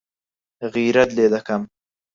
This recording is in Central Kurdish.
غیرەت لێ دەکەم.